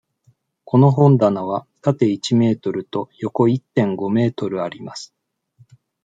この本棚は縦一メートルと横一．五メートルあります。